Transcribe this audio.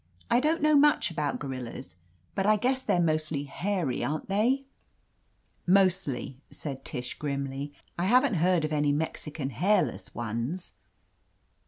I don't know much about gorillas, but I guess they're mostly hairy, aren't they?" "Mostly," said Tish grimly. "I haven't heard of any Mexican hairless ones."